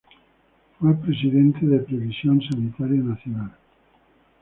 Fue presidente de Previsión Sanitaria Nacional.